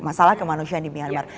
masalah kemanusiaan di myanmar